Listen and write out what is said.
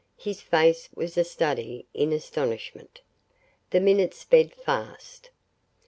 His face was a study in astonishment. The minutes sped fast.